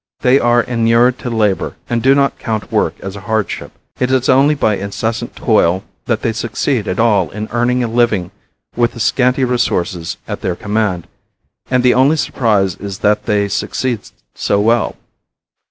They are inured to labor and do not count work as a hardship. It is only by incessant toil that they succeed at all in earning a living with the scanty resources at their command, and the only surprise is that they succeed so well.